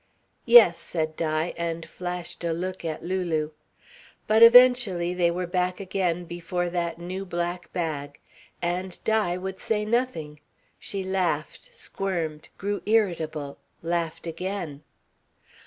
"Yes," said Di, and flashed a look at Lulu. But eventually they were back again before that new black bag. And Di would say nothing. She laughed, squirmed, grew irritable, laughed again.